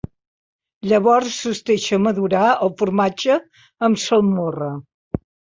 Llavors es deixa madurar el formatge amb salmorra.